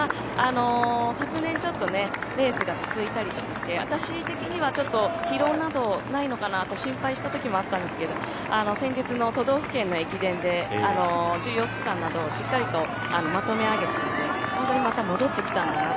昨年ちょっとレースが続いたりとかして私的には疲労などないのかなと心配した時もあったんですけど先日の都道府県の駅伝で重要区間などしっかりとまとめ上げたのでほんとにまた戻ってきたんだなと。